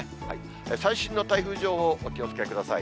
最新の台風情報、お気をつけください。